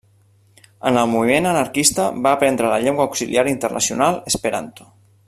En el moviment anarquista va aprendre la llengua auxiliar internacional esperanto.